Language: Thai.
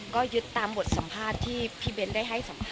ก็ยึดตามบทสัมภาษณ์ที่พี่เบ้นได้ให้สัมภาษ